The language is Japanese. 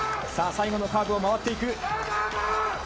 さあ、最後のカーブを回っていく。